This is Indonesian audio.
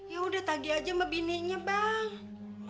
ya udah tagih aja sama binenya bang